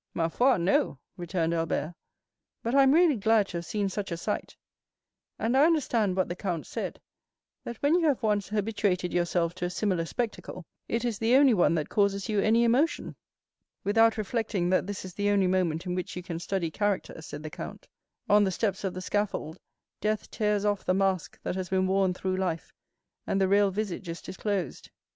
"Ma foi, no," returned Albert. "But I am really glad to have seen such a sight; and I understand what the count said—that when you have once habituated yourself to a similar spectacle, it is the only one that causes you any emotion." 20175m "Without reflecting that this is the only moment in which you can study character," said the count; "on the steps of the scaffold death tears off the mask that has been worn through life, and the real visage is disclosed.